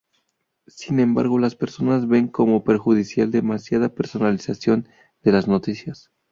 Sin embargo, las personas ven como perjudicial demasiada personalización de las noticias.